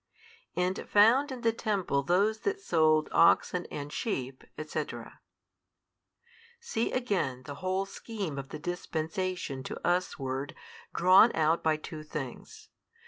And found in the temple those that sold oxen and sheep, &c. See again the whole scheme of the Dispensation to usward drawn out by two things.